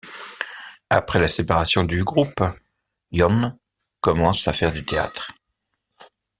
Après la séparation du groupe, Jon commence à faire du théâtre.